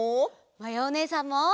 まやおねえさんも！